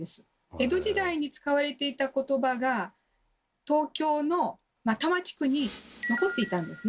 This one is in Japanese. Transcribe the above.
江戸時代に使われていた言葉が東京の多摩地区に残っていたんですね。